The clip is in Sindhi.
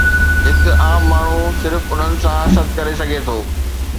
هڪ عام ماڻهو صرف انهن سان حسد ڪري سگهي ٿو.